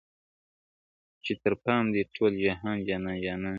• چي تر پام دي ټول جهان جانان جانان سي,